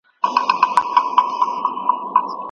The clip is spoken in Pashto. ديني عالمان په لويه جرګه کي برخه اخلي.